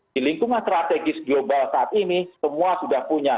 di lingkungan strategis global saat ini semua sudah punya